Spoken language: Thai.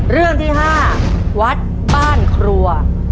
เรื่องที่๕วัดบ้านครัว